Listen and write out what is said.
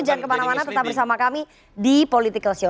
jangan kemana mana tetap bersama kami di politikalshow